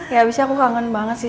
ya abisnya aku kangen banget sih